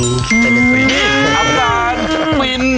จะเป็นฟิน